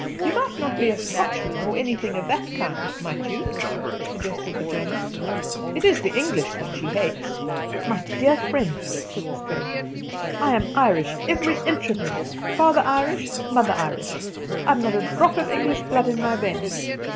"You might not be a Scotchman or anything of that kind, might you?" suggested the German. "It is the English that she hates." "My dear friend," said the stranger, "I am Irish every inch of me father Irish, mother Irish. I've not a drop of English blood in my veins."